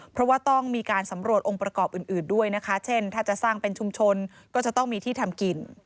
เพราะว่าต้องมีการสำรวจองค์ประกอบอื่นด้วยนะคะเช่นถ้าจะสร้างเป็นชุมชนก็จะต้องมีที่ทำกิน